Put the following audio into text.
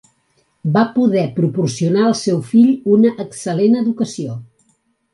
Va poder proporcionar al seu fill una excel·lent educació.